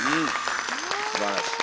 すばらしい。